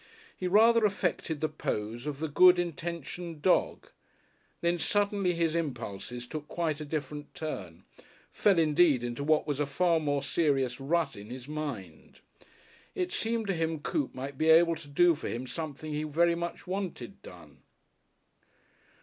He rather affected the pose of the Good Intentioned Dog. Then suddenly his impulses took quite a different turn, fell indeed into what was a far more serious rut in his mind. It seemed to him Coote might be able to do for him something he very much wanted done.